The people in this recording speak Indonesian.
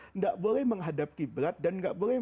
tidak boleh menghadap qiblat dan nggak boleh